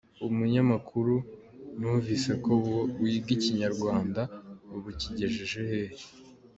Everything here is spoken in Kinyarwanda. Umunyamakuru: Numvise ko ubu wiga Ikinyarwanda, ubu Ukigejeje hehe?.